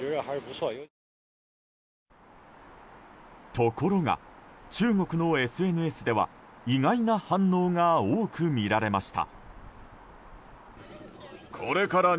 ところが、中国のＳＮＳでは意外な反応が多く見られました。